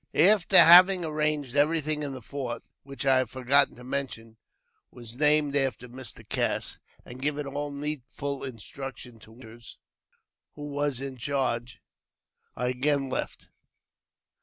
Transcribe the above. I AFTER having arranged everything in the fort (which I have forgotten to mention we named after Mr. Cass), I and given all needful instructions to Winters, who was ; in charge, I again left.